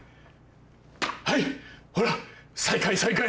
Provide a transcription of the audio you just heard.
はいほら再開再開！